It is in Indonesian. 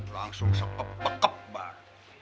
langsung sepepekep bar